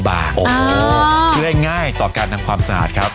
เพื่อง่ายต่อการทำความสะอาดครับ